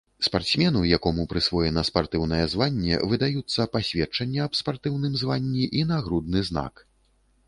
Спартсмену, якому прысвоена спартыўнае званне, выдаюцца пасведчанне аб спартыўным званні і нагрудны знак.